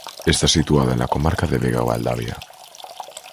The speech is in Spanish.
Está situada en la comarca de Vega-Valdavia.